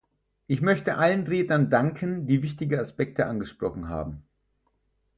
Ich möchte allen Rednern danken, die wichtige Aspekte angesprochen haben.